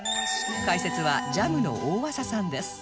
解説はジャムの大麻さんです